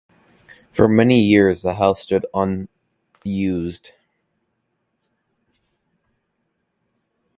For many years the house stood unused.